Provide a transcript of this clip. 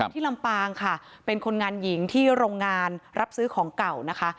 ลำปางค่ะเป็นคนงานหญิงที่โรงงานรับซื้อของเก่านะคะ